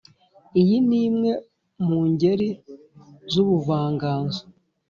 iyi ni imwe mu ngeri z’ubuvanganzo,